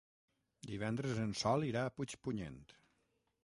Divendres en Sol irà a Puigpunyent.